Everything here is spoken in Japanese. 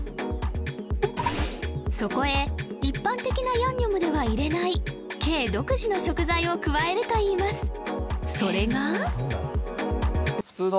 そこへ一般的なヤンニョムでは入れない慶独自の食材を加えるといいます